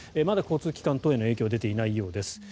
まだ交通機関等への影響は出ていないようです。